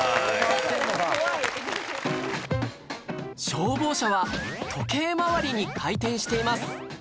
消防車は時計回りに回転しています